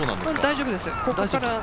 大丈夫ですよ。